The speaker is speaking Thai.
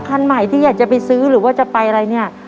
คันใหม่ที่อยากจะไปซื้อหรือว่าจะไปอะไรเนี่ย